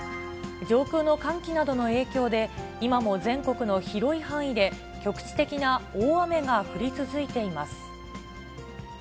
上空の寒気などの影響で、今も全国の広い範囲で、局地的な大雨が降り続いています。